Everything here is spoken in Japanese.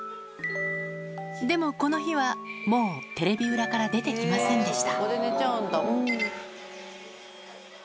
でも、この日はもうテレビ裏から出てきませんでした。